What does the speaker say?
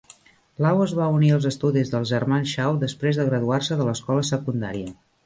Lau es va unir als estudis dels Germans Shaw després de graduar-se de l'escola secundària.